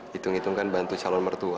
hitung hitungkan bantu calon mertua